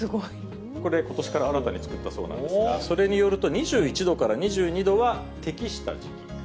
これ、ことしから新たに作ったそうなんですが、それによると、２１度から２２度は適した時期。